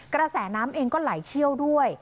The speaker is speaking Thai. กระแสน้ำเองก็ไหลเชี่ยวด้วย